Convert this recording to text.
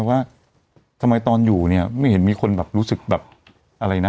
ว่าที่นางตอนอยู่ไม่เห็นมีคนรู้สึกอะไรนะ